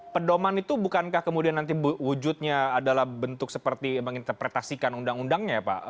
pedoman itu bukankah kemudian nanti wujudnya adalah bentuk seperti menginterpretasikan undang undangnya ya pak